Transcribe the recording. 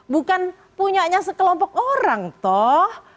bukan punyanya sekelompok orang toh